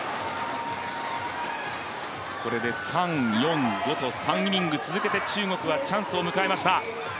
これで３、４、５と３イニング続けて中国はチャンスを迎えました。